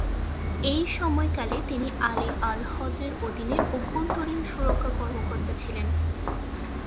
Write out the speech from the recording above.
এই সময়কালে, তিনি আলী আল হজের অধীনে অভ্যন্তরীণ সুরক্ষা কর্মকর্তা ছিলেন।